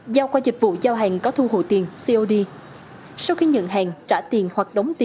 giao qua dịch vụ giao hàng có thu hồ tiền cod